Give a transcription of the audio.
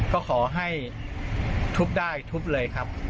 ก็ขอให้ทุบได้ทุบเลยครับ